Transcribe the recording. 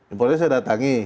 importernya saya datangi